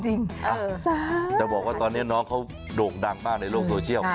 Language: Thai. จะบอกว่าตอนนี้น้องเขาโด่งดังมากในโลกโซเชียล